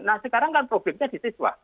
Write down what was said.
nah sekarang kan problemnya di siswa